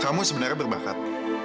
kamu sebenarnya berbakat